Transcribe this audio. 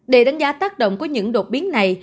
để đánh giá tác động của những đột biến này